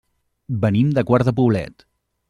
Venim de Quart de Poblet.